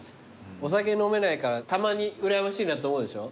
お酒飲めないからたまにうらやましいなと思うでしょ？